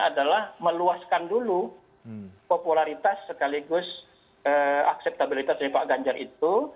adalah meluaskan dulu popularitas sekaligus akseptabilitas dari pak ganjar itu